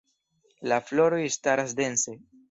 La floroj staras dense.